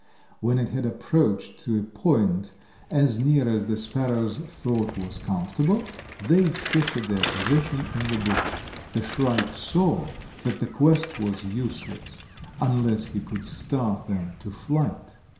When it had approached to a point as near as the sparrows thought was comfortable, they shifted their position in the bush. The shrike saw that the quest was useless unless he could start them to flight.